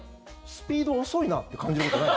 スピード遅いなって感じることない？